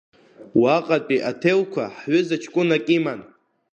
Уаҟатәи аҭелқәа ҳҩыза ҷкәынак иман.